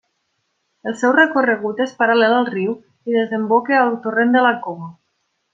El seu recorregut és paral·lel al riu i desemboca al torrent de la Coma.